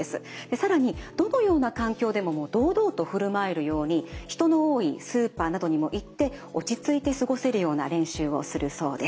更にどのような環境でも堂々と振る舞えるように人の多いスーパーなどにも行って落ち着いて過ごせるような練習をするそうです。